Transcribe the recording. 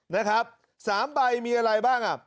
นะครับ๓ใบมีอะไรบ้างอ่ะ